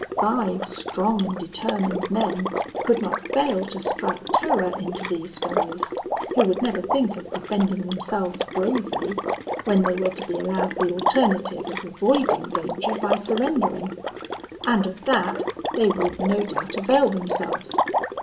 Five strong and determined men could not fail to strike terror into these fellows, who would never think of defending themselves bravely, when they were to be allowed the alternative of avoiding danger by surrendering; and of that they would no doubt avail themselves.